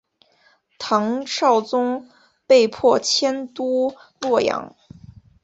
唐昭宗被迫迁都洛阳。